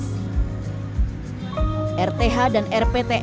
yakni saling berinteraksi dan menyalurkan hobi dengan membangun komunitas